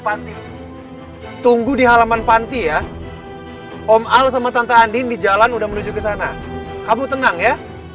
panti tunggu di halaman panti ya om al sama tante andin di jalan udah menuju ke sana kamu tenang ya